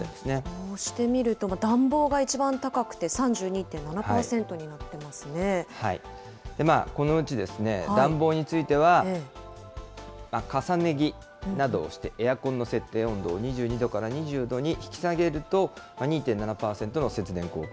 こうして見ると暖房がいちばん高くて３２．７％になっていまこのうち暖房については、重ね着などをしてエアコンの設定温度を２２度から２０度に引き下げると、２．７％の節電効果。